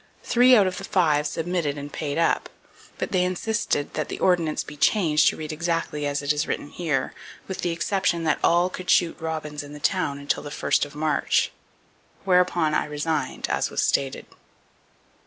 Three out of the five submitted and paid up, but they insisted that the ordinance be changed to read exactly as it is written here, with the exception that all could shoot robins in the town until the first of March; whereupon I resigned, as was stated."